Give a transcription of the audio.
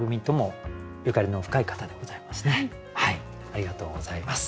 ありがとうございます。